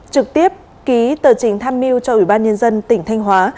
trực tiếp ký tờ trình tham mưu cho ủy ban nhân dân tỉnh thanh hóa